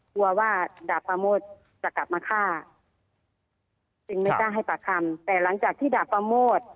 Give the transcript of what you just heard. กลัวว่าดาบปราโมทจะกลับมาฆ่าจึงไม่กล้าให้ปากคำแต่หลังจากที่ดาบปราโมท